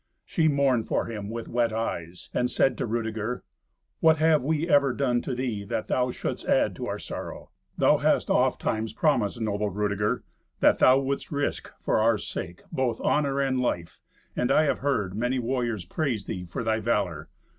She mourned for him with wet eyes, and said to Rudeger, "What have we ever done to thee that thou shouldst add to our sorrow? Thou hast oft times promised, noble Rudeger, that thou wouldst risk, for our sake, both honour and life, and I have heard many warriors praise thee for thy valour.